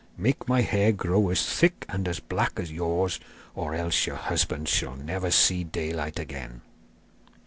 'Make my hair grow as thick and as black as yours, or else your husbands shall never see daylight again.